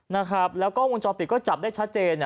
นะครับแล้วก็วงจอปิดก็จับได้ชัดเจน